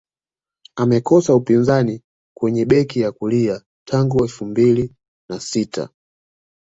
amekosa upinzani kwenye beki ya kulia tangu mwaka elfu mbili na sita